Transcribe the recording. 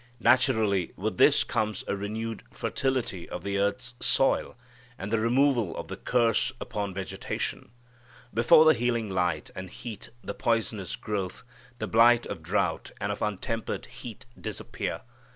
Naturally, with this comes a renewed fertility of the earth's soil, and the removal of the curse upon vegetation. Before the healing light and heat the poisonous growth, the blight of drought and of untempered heat disappear.